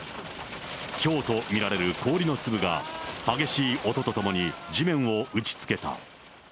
ひょうと見られる氷の粒が、激しい音とともに地面を打ちつけた。